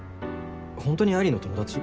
ホントに愛梨の友達？